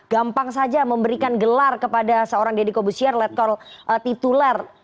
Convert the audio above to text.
gampang saja memberikan gelar kepada seorang dedy kornbusir let call titular